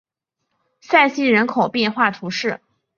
塞西人口变化图示